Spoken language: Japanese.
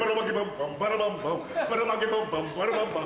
バラマキバンバンバラバンバン